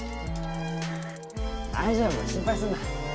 大丈夫心配すんな。